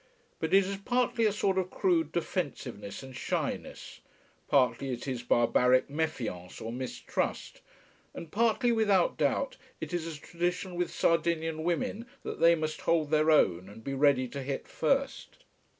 But it is partly a sort of crude defensiveness and shyness, partly it is barbaric méfiance or mistrust, and partly, without doubt, it is a tradition with Sardinian women that they must hold their own and be ready to hit first.